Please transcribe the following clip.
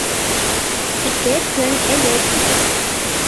Ике көн элек